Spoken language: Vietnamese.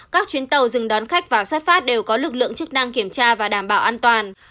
các chuyến tàu dừng đón khách và xuất phát đều có lực lượng chức năng kiểm tra và đảm bảo an toàn